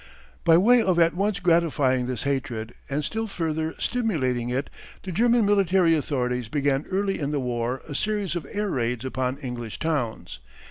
By way of at once gratifying this hatred and still further stimulating it the German military authorities began early in the war a series of air raids upon English towns.